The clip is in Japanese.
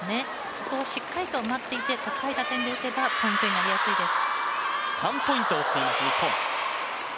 そこをしっかりと待っていて高い打点で打てばポイントになりやすいです。